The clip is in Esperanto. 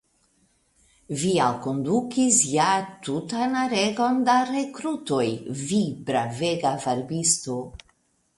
Vi alkondukis ja tutan aregon da rekrutoj, vi bravega varbisto!